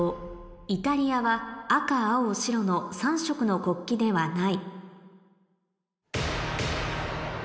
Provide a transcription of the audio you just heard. イタリアは赤青白の３色の国旗ではない